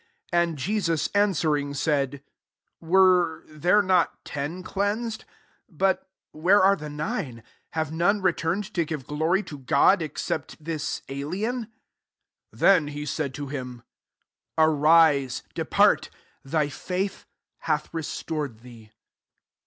17 And Jesus answering, said, "Were there not ten cleansed ? but where arc the ' nine? 18 Have none returned to give glory to God, except this alien ?" 19 Then he said to him, " Arise, depart : thy faith hath restored thee."